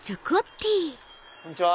こんにちは。